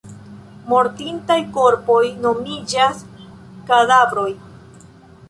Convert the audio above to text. Mortintaj korpoj nomiĝas kadavroj.